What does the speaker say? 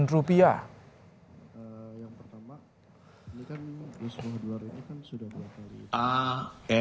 yang pertama ini kan bupati sidoarjo sudah berkali kali